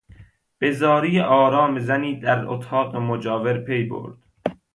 به زاری آرام زنی در اتاق مجاور پیبرد.